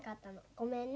ごめんね。